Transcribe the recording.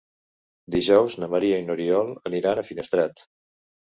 Dijous na Maria i n'Oriol aniran a Finestrat.